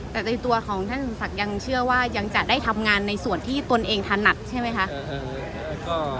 แต่ในตัวของท่านสมศักดิ์ยังเชื่อว่ายังจะได้ทำงานในส่วนที่ตนเองถนัดใช่ไหมคะ